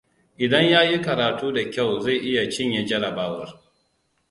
Idan ya yi karatu da kyau zai iya cinye jarabawar.